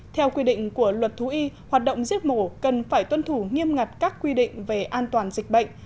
theo quy định của luật thú y hoạt động giết mổ cần phải tuân thủ nghiêm ngặt các quy định về an toàn dịch bệnh